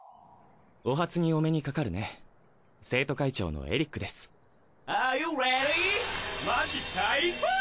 お初にお目にかかるね生徒会長のエリックですアーユーレディー！？